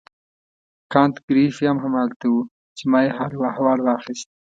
کانت ګریفي هم همالته وو چې ما یې حال و احوال واخیست.